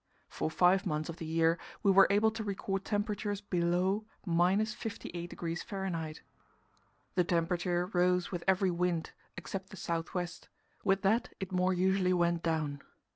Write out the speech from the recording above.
For five months of the year we were able to record temperatures below 58°F. The temperature rose with every wind, except the south west; with that it more usually went down.